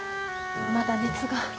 まだ熱が。